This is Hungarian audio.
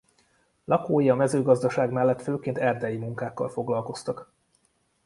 Lakói a mezőgazdaság mellett főként erdei munkákkal foglalkoztak.